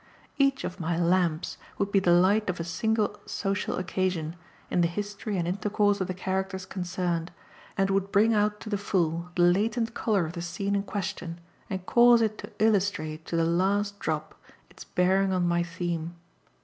Each of my "lamps" would be the light of a single "social occasion" in the history and intercourse of the characters concerned, and would bring out to the full the latent colour of the scene in question and cause it to illustrate, to the last drop, its bearing on my theme.